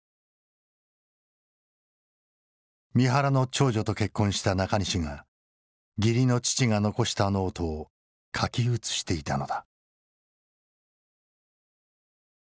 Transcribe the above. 三原の長女と結婚した中西が義理の父が残したノートを書き写していたのだ。